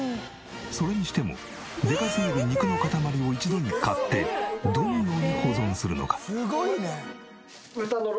それにしてもでかすぎる肉の塊を一度に買ってどのように保存するのか？